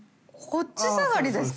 こっち下がりですか？